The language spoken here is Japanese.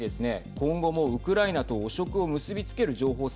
今後もウクライナと汚職を結び付ける情報戦